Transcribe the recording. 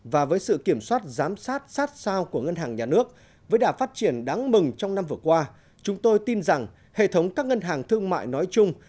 và với sự kiểm soát giám sát sát sao của ngân hàng nhà nước với đả phát triển đáng mừng trong năm vừa qua chúng tôi tin rằng hệ thống các ngân hàng thương mại nói chung